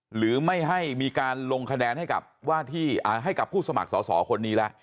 หรือไม่ให้มีการลงคะแนนให้กับผู้สมัครสอสอคนนี้แล้ว